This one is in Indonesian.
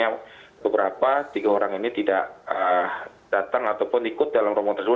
yang beberapa tiga orang ini tidak datang ataupun ikut dalam romo tersebut